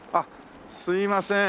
すいません。